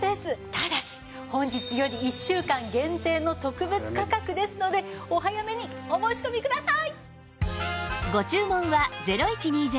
ただし本日より１週間限定の特別価格ですのでお早めにお申し込みください。